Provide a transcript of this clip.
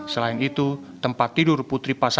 selain itu tempat tidur putri pasangan